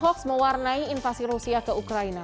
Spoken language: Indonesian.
hoax mewarnai invasi rusia ke ukraina